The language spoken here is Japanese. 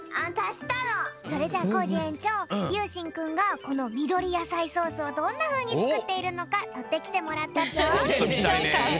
それじゃコージ園長ゆうしんくんがこのみどりやさいソースをどんなふうにつくっているのかとってきてもらったぴょん！